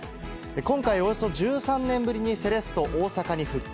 今回、およそ１３年ぶりにセレッソ大阪に復帰。